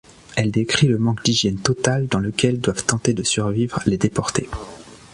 Elle décrit le manque d'hygiène total dans lequel doivent tenter de survivre les déportés.